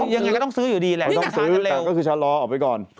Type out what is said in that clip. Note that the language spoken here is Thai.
อย่างไรก็ต้องซื้ออยู่ดีแหละต้องซื้อแต่ก็คือชะล้อออกไปก่อน